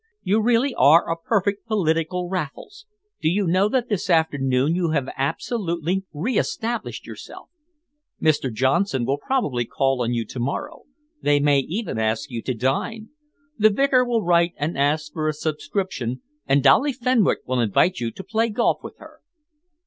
You really are a perfect political Raffles. Do you know that this afternoon you have absolutely reestablished yourself? Mr. Johnson will probably call on you to morrow they may even ask you to dine the vicar will write and ask for a subscription, and Dolly Fenwick will invite you to play golf with her."